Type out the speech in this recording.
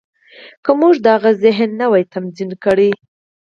که موږ د هغه ذهن نه وای تنظيم کړی.